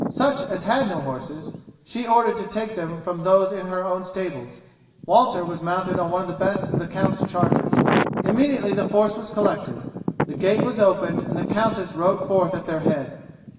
Such as had no horses she ordered to take them from those in her own stables. Walter was mounted on one of the best of the count's chargers. Immediately the force was collected, the gate was opened and the countess rode forth at their head.